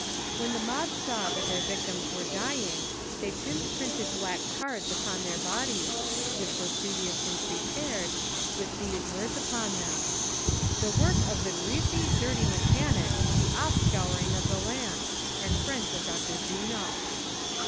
When the mob saw that their victims were dying, they pinned printed black cards upon their bodies, which were previously prepared, with these words upon them : ''Tlie work of the ''Greasy, Dirty Mechanics, the Offscour ing of the Land,'' and friends of Dr. Juno."